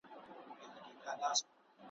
د غزل تر زړه دي نن ویني څڅېږي ,